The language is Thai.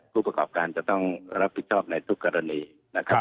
ผู้ประกอบการจะต้องรับผิดชอบในทุกกรณีนะครับ